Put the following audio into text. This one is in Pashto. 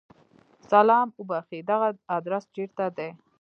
سلام! اوبښئ! دغه ادرس چیرته دی؟